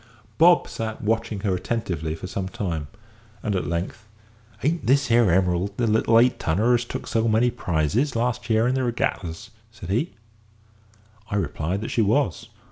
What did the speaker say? Bob sat watching her attentively for some time, and at length "Aren't this here Emerald the little eight tonner as took so many prizes last year in the regattas?" said he. I replied that she was.